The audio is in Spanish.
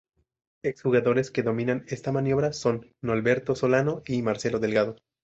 Ex jugadores que dominan esta maniobra son Nolberto Solano y Marcelo Delgado.